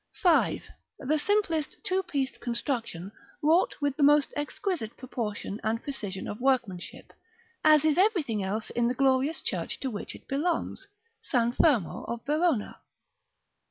5, the simple two pieced construction, wrought with the most exquisite proportion and precision of workmanship, as is everything else in the glorious church to which it belongs, San Fermo of Verona.